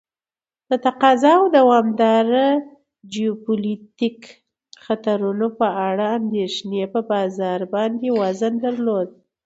د تقاضا او دوامداره جیوپولیتیک خطرونو په اړه اندیښنې په بازار باندې وزن درلود.